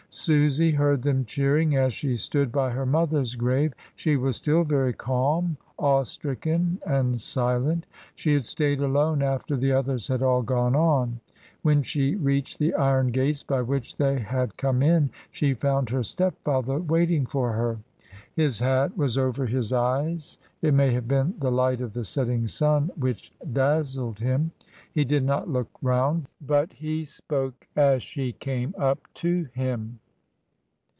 Susy heard them cheering as she stood by her mother's grave, she was still very calm, awe stricken, and silent; she had stayed alone after the others had all gone on. When she reached the iron gates by which they had come in, she found her stepfather waiting for her. His hat was over his FUNERALIA. 247 eyes; it may have been the light of the setting sun which dazzled him. He did not look round, but he spoke as she came up to him.